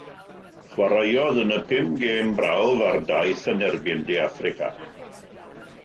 Chwaraeodd yn y pum Gêm Brawf ar daith yn erbyn De Affrica.